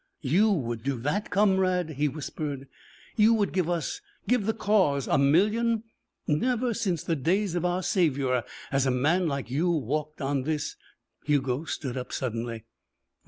"You would do that, comrade?" he whispered. "You would give us give the cause a million? Never since the days of our Saviour has a man like you walked on this " Hugo stood up suddenly.